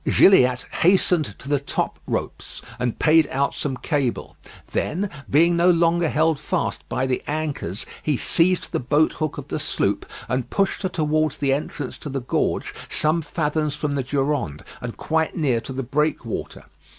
Gilliatt hastened to the top ropes and payed out some cable; then being no longer held fast by the anchors, he seized the boat hook of the sloop, and pushed her towards the entrance to the gorge some fathoms from the Durande, and quite near to the breakwater.